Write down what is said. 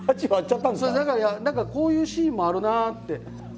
何かこういうシーンもあるなって。